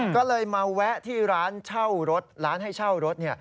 ก็เลยมาแวะที่ร้านหาให้เช่ารถ